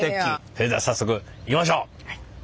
それでは早速行きましょう。